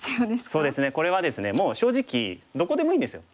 そうですねこれはですねもう正直どこでもいいんですよ。